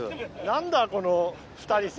何だこの。